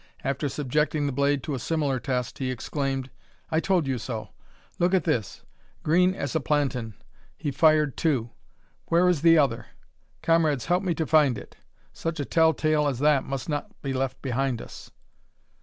After subjecting the blade to a similar test, he exclaimed "I told you so. Look at this, green as a plantain! He fired two: where is the other? Comrades, help me to find it. Such a tell tale as that must not be left behind us."